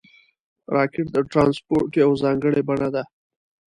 راکټ د ترانسپورټ یوه ځانګړې بڼه ده